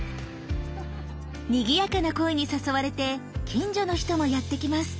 にぎやかな声に誘われて近所の人もやって来ます。